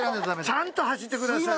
ちゃんと走ってください。